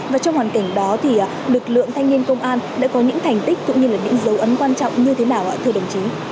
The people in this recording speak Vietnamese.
và trong hoàn cảnh đó thì lực lượng thanh niên công an đã có những thành tích cũng như là những dấu ấn quan trọng như thế nào ạ thưa đồng chí